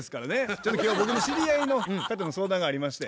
ちょっと今日は僕の知り合いの方の相談がありまして。